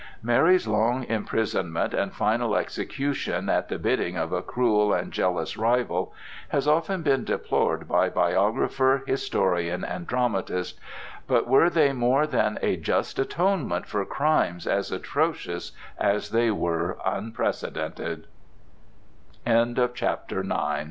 Mary's long imprisonment and final execution at the bidding of a cruel and jealous rival has often been deplored by biographer, historian, and dramatist,—but were they more than a just atonement for crimes as atrocious as they were unprec